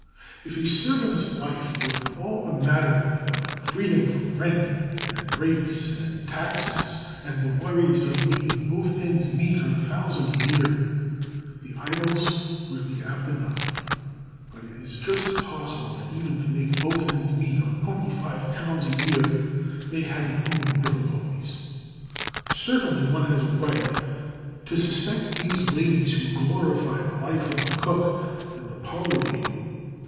If a servant's life were all a matter of freedom from rent and rates and taxes and the worries of making both ends meet on a thousand a year, the idylls would be apt enough; but it is just possible that even to make both ends meet on twenty five pounds a year may have its own difficulties. Certainly one has a right to suspect these ladies who glorify the life of the cook and the parlour maid.